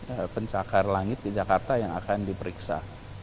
ada pencakar langit di jakarta yang akan diperiksa